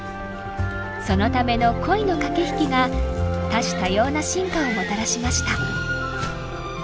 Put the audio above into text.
そのための恋の駆け引きが多種多様な進化をもたらしました。